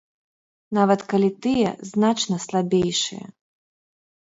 Нават калі тыя значна слабейшыя.